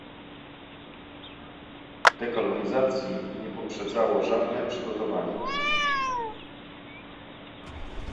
Dekolonizacji nie poprzedzało żadne przygotowanie